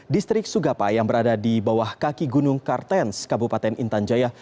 distrik sugapa yang berada di bawah kaki gunung kartens kabupaten intan jaya